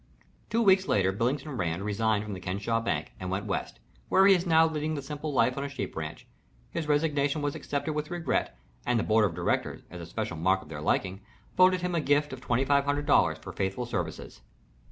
Two weeks later Billington Rand resigned from the Kenesaw Bank and went West, where he is now leading the simple life on a sheep ranch. His resignation was accepted with regret, and the board of directors, as a special mark of their liking, voted him a gift of $2500 for faithful services.